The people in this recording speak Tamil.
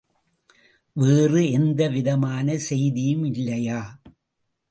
வேறு எந்தவிதமான செய்தியும் இல்லையா?